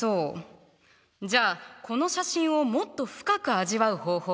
じゃあこの写真をもっと深く味わう方法を伝授するわよ。